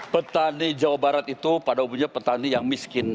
petani jawa barat itu pada umumnya petani yang miskin